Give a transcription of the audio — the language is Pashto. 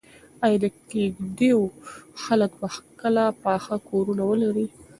ایا د کيږديو خلک به کله پاخه کورونه ولري؟